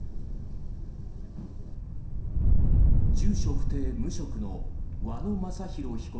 住所不定・無職の和野正弘被告